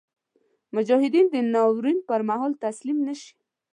مجاهد د ناورین پر مهال تسلیم نهشي.